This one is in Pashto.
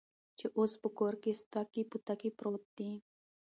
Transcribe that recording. چې اوس په کور کې سوتکى بوتکى پروت دى.